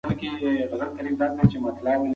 وروسته ستړیا، سړو وهلو او د غاړې درد راځي.